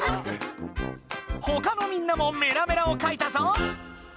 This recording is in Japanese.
ほかのみんなもメラメラをかいたぞ。